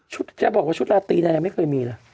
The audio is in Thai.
จะบอกว่าชุดลาตีนายไม่เคยมีล่ะ